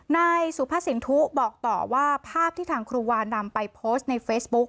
นายสุภสินทุบอกต่อว่าภาพที่ทางครูวานำไปโพสต์ในเฟซบุ๊ก